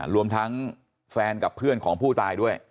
รวมทั้งแฟนกับเพื่อนของผู้ตายด้วย